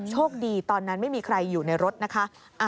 โชคดีตอนนั้นไม่มีใครอยู่ในรถนะคะ